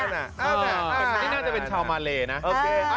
นี่น่าจะเป็นชาวมาเลนะโอเค